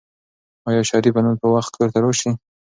آیا شریف به نن په وخت کور ته راشي؟